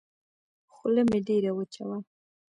خوله مې ډېره وچه وه.